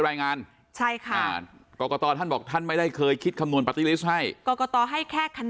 รายงานใช่ค่ะก็จะตอนบอกท่านไม่ได้เคยคิดคำนวณหรือให้กกตให้แค่ขนาด